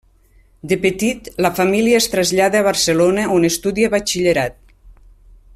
De petit, la família es trasllada a Barcelona on estudia batxillerat.